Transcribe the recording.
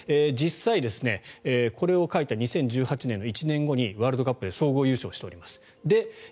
実際にこれを書いた２０１８年の１年後にワールドカップで総合優勝しております。